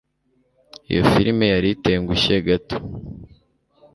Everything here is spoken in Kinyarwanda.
iyo firime yari itengushye gato